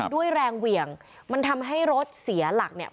ด้วยแรงเหวี่ยงมันทำให้รถเสียหลักเนี่ย